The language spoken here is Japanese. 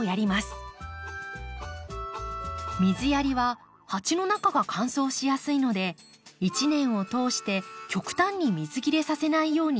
水やりは鉢の中が乾燥しやすいので一年を通して極端に水切れさせないように注意します。